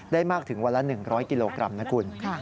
มากถึงวันละ๑๐๐กิโลกรัมนะคุณ